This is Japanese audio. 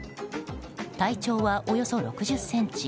体長はおよそ６０ｃｍ。